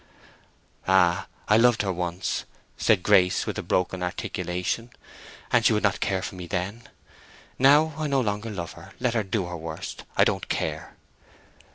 "Ah, I loved her once," said Grace, with a broken articulation, "and she would not care for me then! Now I no longer love her. Let her do her worst: I don't care."